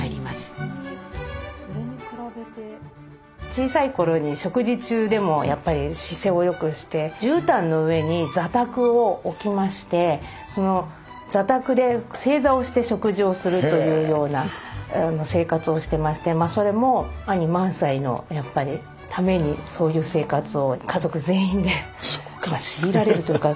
小さい頃に食事中でもやっぱり姿勢をよくしてじゅうたんの上に座卓を置きましてその座卓で正座をして食事をするというような生活をしてましてそれも兄萬斎のためにそういう生活を家族全員で強いられるというか。